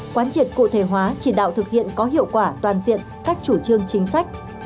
quán triển cụ thể hóa chỉ đạo thực hiện có hiệu quả toàn diện cách chủ trương chính sách